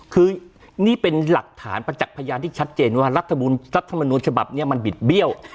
คือนี่เป็นหลักฐานประจักษ์พยานที่ชัดเจนว่ารัฐมนุนฉบับนี้มันบิดเบี้ยว